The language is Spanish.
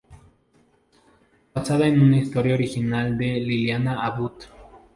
Basada en una historia original de Liliana Abud.